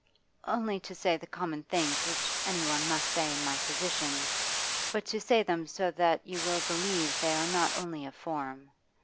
'Only to say the common things which anyone must say in my position, but to say them so that you will believe they are not only a form.